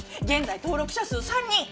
現在登録者数３人。